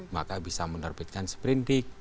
maka bisa menerbitkan sprendik